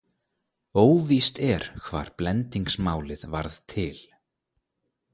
Óvíst er hvar blendingsmálið varð til.